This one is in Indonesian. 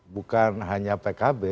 bukan hanya pkb